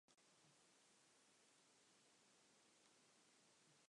Brookport is located on the north bank of the Ohio River, opposite Paducah, Kentucky.